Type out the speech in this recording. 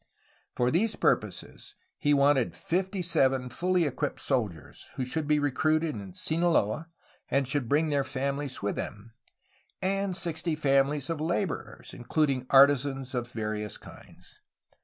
For these purposes he wanted fifty seven fully equipped soldiers, who should be recruited in Sinaloa and should bring their families with them, and sixty families of laborers, including artisans of various kinds.